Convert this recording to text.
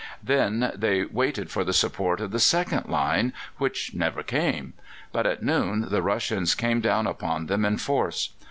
Then they waited for the support of the second line, which never came; but at noon the Russians came down upon them in force.